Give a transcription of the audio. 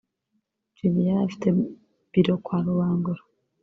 Icyo gihe yari afite bureau kwa Rubangura